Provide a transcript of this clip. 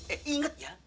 eh inget ya